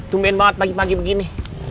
tumbain banget pagi pagi begini